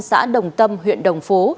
xã đồng tâm huyện đồng phú